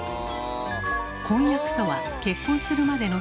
「婚約」とは結婚するまでの期間のこと。